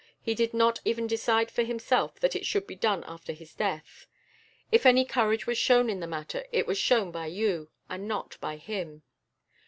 He did not even decide for himself that it should be done after his death. If any courage was shown in the matter, it was shown by you, and not by him.